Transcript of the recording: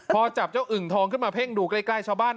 พอจับเจ้าอึ่งทองขึ้นมาเพ่งดูใกล้ชาวบ้าน